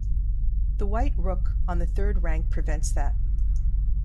The white rook on the third rank prevents that.